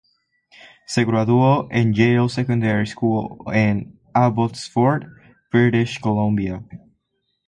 Se graduó en Yale Secondary School en Abbotsford, British Columbia.